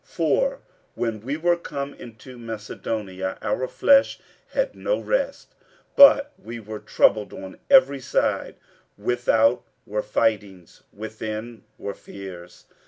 47:007:005 For, when we were come into Macedonia, our flesh had no rest, but we were troubled on every side; without were fightings, within were fears.